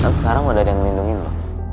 sam sekarang udah ada yang ngelindungin lo